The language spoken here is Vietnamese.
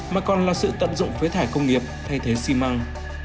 mà còn là sự tận dụng phế thải công nghiệp thay thế xi măng